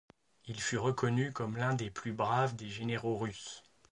Il fut reconnu comme l'un des plus braves des généraux russes.